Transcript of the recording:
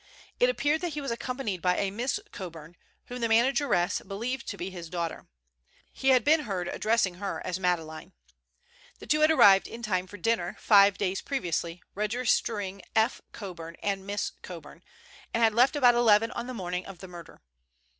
It appeared that he was accompanied by a Miss Coburn, whom the manageress believed to be his daughter. He had been heard addressing her as Madeleine. The two had arrived in time for dinner five days previously, registering "F. Coburn and Miss Coburn," and had left about eleven on the morning of the murder.